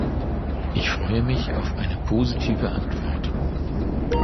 Ich freue mich auf eine positive Antwort.